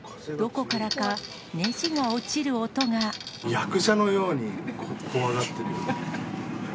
役者のように怖がってるよ。